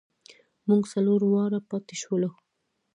مونږ څلور واړه پاتې شولو.